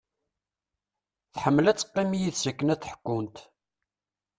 Tḥemmel ad teqqim d yid-s akken ad ḥkunt.